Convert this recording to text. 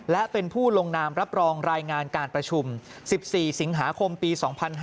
และเป็นผู้ลงนามรับรองรายงานการประชุม๑๔สิงหาคมปี๒๕๕๙